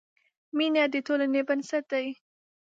مینه د ټولنې بنسټ دی.